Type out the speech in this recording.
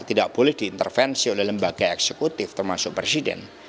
tidak boleh diintervensi oleh lembaga eksekutif termasuk presiden